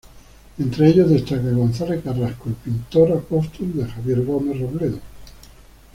Entre ellos destacan: Gonzalo Carrasco, el pintor apóstol de Xavier Gómez Robledo; Gonzalo Carrasco.